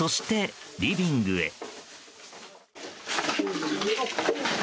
そして、リビングへ。